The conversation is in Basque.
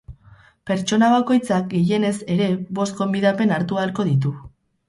Pertsona bakoitzak gehienez ere bost gonbidapen hartu ahalko ditu.